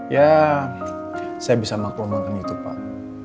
ya saya bisa mengaku akuin itu pak